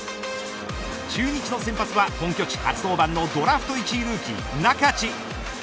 中日の先発は本拠地初登板のドラフト１位ルーキー、仲地。